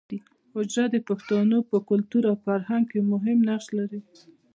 حجره د پښتانو په کلتور او فرهنګ کې مهم نقش لري